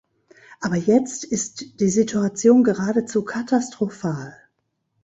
Aber jetzt ist die Situation geradezu katastrophal.